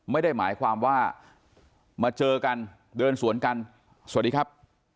ไม่ได้หมายความว่ามาเจอกันเดินสวนกันสวัสดีครับ